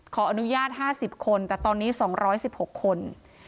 ขออนุญาต๕๐คนแต่ตอนนี้๒๑๖คน